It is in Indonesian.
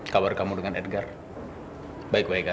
sampai jumpa di video selanjutnya